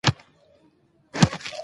زه ځم همدا اوس ورته غږ کوم .